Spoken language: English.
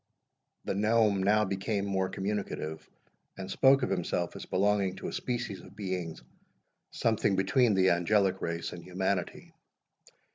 The gnome now became more communicative, and spoke of himself as belonging to a species of beings something between the angelic race and humanity.